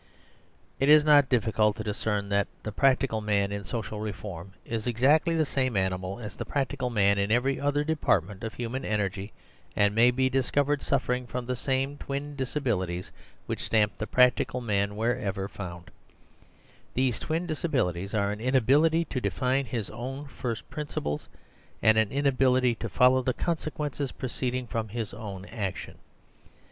It is not difficult to discern that the Practical Man in social reform is exactly the same animal as the Practical Man in every other department of human energy, and may bediscovered suffering from thesame twin disabilities whichstampthePractical Man where ever found : these twin disabilities are an inability to define his own first principles and an inabilityto follow the consequences proceeding from his own action.